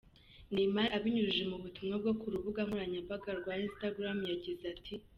Neymar, abinyujije mu butumwa bwo ku rubuga nkoranyambaga rwa Instagram, yagize ati:.